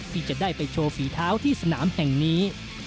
ที่จะได้ไปโชว์ฝีเท้าที่สนามแห่งนี้